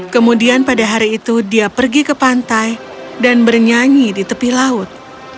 kemudian pada hari itu dia pergi ke pantai dan bernyanyi di tepi laut